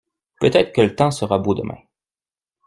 Peut-être que le temps sera beau demain.